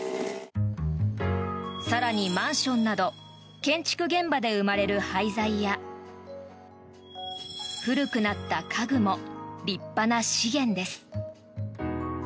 更に、マンションなど建築現場で生まれる廃材や古くなった家具も立派な資源です。